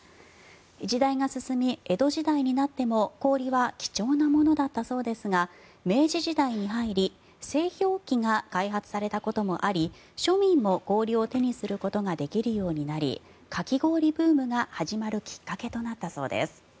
時代が進み、江戸時代になっても氷は貴重なものだったそうですが明治時代に入り製氷機が開発されたこともあり庶民も氷を手にすることができるようになりかき氷ブームが始まるきっかけとなったそうです。